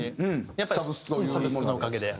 やっぱりサブスクのおかげで。